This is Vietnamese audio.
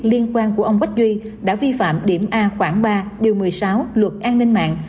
liên quan của ông bích duy đã vi phạm điểm a khoảng ba điều một mươi sáu luật an ninh mạng